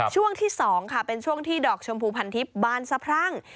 ช่วงที่๒ค่ะเป็นช่วงที่ดอกชมพูพันทิพย์บานสะพรั่ง